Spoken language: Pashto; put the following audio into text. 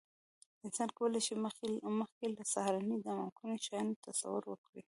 انسان کولی شي، مخکې له سهارنۍ د ناممکنو شیانو تصور وکړي.